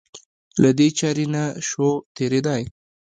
له دې چارې نه شو تېرېدای.